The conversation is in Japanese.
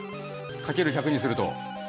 掛ける１００にすると。